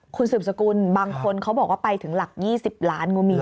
คุณสืบสกุลบางคนเขาบอกว่าไปถึงหลัก๒๐ล้านงูมี